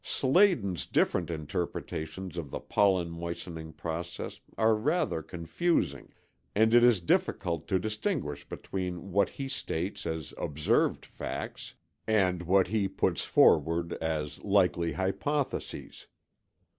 Sladen's different interpretations of the pollen moistening process are rather confusing, and it is difficult to distinguish between what he states as observed facts and what he puts forward as likely hypotheses.